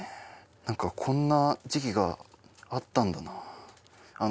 なんかこんな時期があったんだな。